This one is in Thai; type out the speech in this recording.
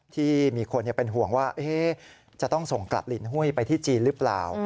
ที่มีคนเป็นห่วงว่าจะต้องส่งกลับลินหุ้ยไปที่จีนหรือเปล่า